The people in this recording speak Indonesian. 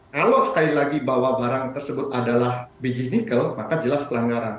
kalau sekali lagi bahwa terjadi biji nikel makaarius jelas pelanggaran